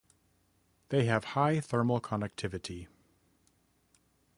They have high thermal conductivity.